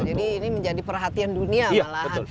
jadi ini menjadi perhatian dunia malahan